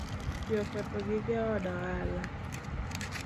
Pi oketho gige od ohala